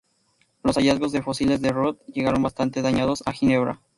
Los hallazgos de fósiles de Roth llegaron bastante dañados a Ginebra.